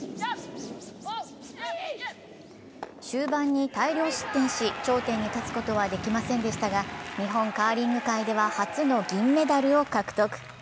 終盤に大量失点し、頂点に立つことはできませんでしたが日本カーリング界では初の銀メダルを獲得。